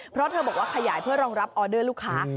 เพราะเธอบอกว่าขยายเพื่อรองรับออเดอร์ลูกค้า